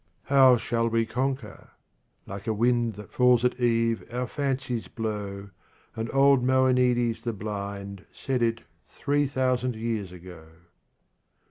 How shall we conquer? Like a wind That falls at eve our fancies blow, And old Moeonides the blind Said it three thousand years ago.